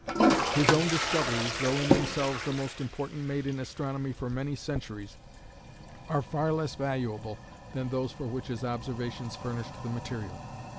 His own discoveries, though in themselves the most important made in astronomy for many centuries, are far less valuable than those for which his observations furnished the material.